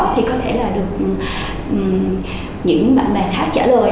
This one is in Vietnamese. thì có thể là được những bạn bè khác trả lời